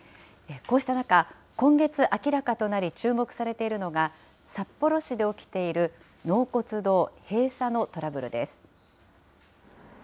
こうした中、今月明らかとなり、注目されているのが、札幌市で起きている納骨堂閉鎖のトラブルです。